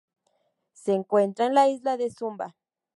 Se encuentra en la isla de Sumba.